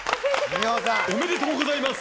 おめでとうございます。